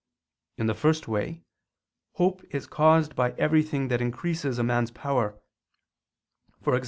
In the first way hope is caused by everything that increases a man's power; e.g.